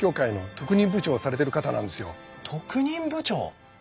特任部長！